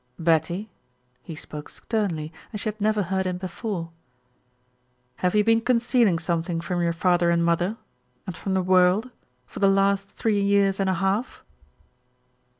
"Betty," he spoke sternly, as she had never heard him before, "have you been concealing something from your father and mother and from the world for the last three years and a half?"